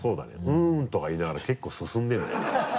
「うん」とか言いながら結構進んでるんだよな